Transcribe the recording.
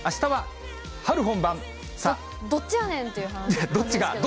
どっちやねんっていう話ですけど。